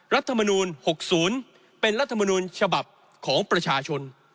รัฐมนูล๖๐เป็นรัฐมนูลฉบับของประชาชน